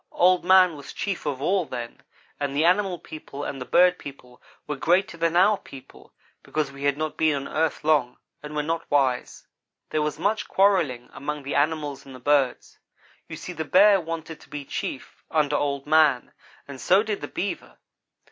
Old man was chief of all then, and the animal people and the bird people were greater than our people, because we had not been on earth long and were not wise. "There was much quarrelling among the animals and the birds. You see the Bear wanted to be chief, under Old man, and so did the Beaver.